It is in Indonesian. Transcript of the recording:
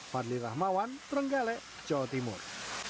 fadli rahmawan trenggalek jawa timur